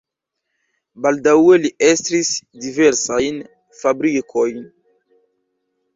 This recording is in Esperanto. Baldaŭe li estris diversajn fabrikojn.